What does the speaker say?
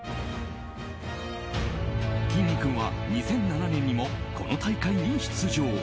きんに君は２００７年にもこの大会に出場。